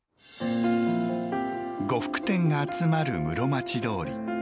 呉服店が集まる室町通。